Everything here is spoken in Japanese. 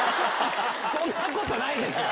そんなことないですよ。